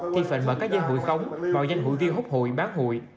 thị vệt mở các dây hụi không bảo danh hụi viên hút hụi bán hụi